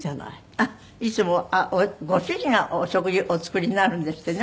あっいつもご主人がお食事お作りになるんですってね